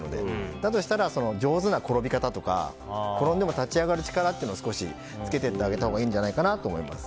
だとしたら、上手な転び方とか転んでも立ち上がる力をつけていってあげたほうがいいんじゃないかなと思います。